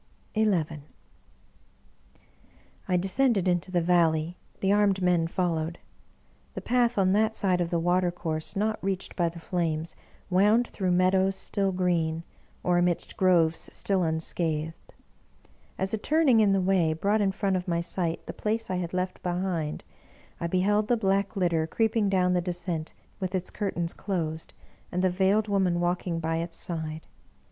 XI I DESCENDED luto the Valley; the armed men followed. The path, on that side of the water course not reached by the flames, wound through meadows still green, or amidst groves still unscathed. As a turning in the way brought lOO Bulwer Lytton in front of my sight the place I had left behind, I beheld the black litter creeping down the descent, with its cur tains closed, and the Veiled Woman walking by its .side.